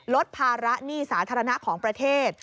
ลดภาระหนี้สาธารณะของประเทศ